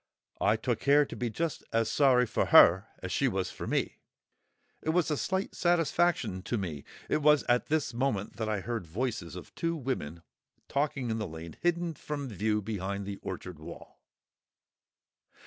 I took care to be just as sorry for her as she was for me: it was a slight satisfaction to me! It was at this moment that I heard voices of two women talking in the lane, hidden from view by the orchard wall.